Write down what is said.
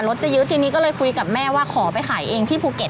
จะเยอะทีนี้ก็เลยคุยกับแม่ว่าขอไปขายเองที่ภูเก็ต